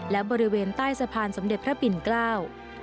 และบริเวณใต้สะพานสมเด็จพระปิ่นเกล้า